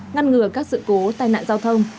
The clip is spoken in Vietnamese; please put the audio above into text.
ngăn ngừa các sự cố tai nạn giao thông